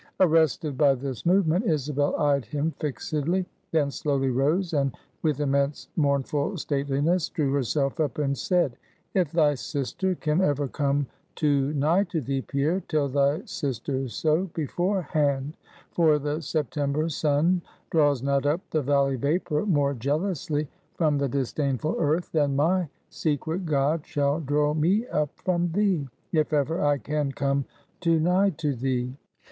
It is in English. Arrested by this movement Isabel eyed him fixedly; then slowly rose, and with immense mournful stateliness, drew herself up, and said: "If thy sister can ever come too nigh to thee, Pierre, tell thy sister so, beforehand; for the September sun draws not up the valley vapor more jealously from the disdainful earth, than my secret god shall draw me up from thee, if ever I can come too nigh to thee."